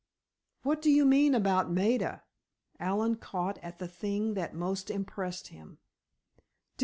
"What do you mean about Maida?" Allen caught at the thing that most impressed him.